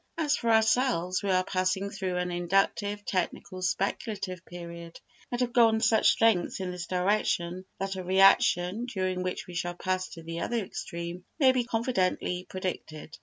As for ourselves, we are passing through an inductive, technical, speculative period and have gone such lengths in this direction that a reaction, during which we shall pass to the other extreme, may be confidently predicted.